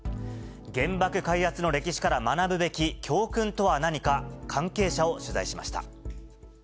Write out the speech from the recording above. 原爆開発の歴史から学ぶべき教訓とは何か、関係者を取材しました。